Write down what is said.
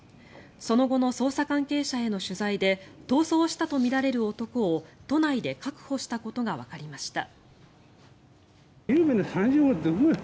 その後の捜査関係者への取材で逃走したとみられる男を都内で確保したことがわかりました。